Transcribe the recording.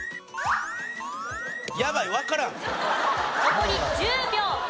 残り１０秒。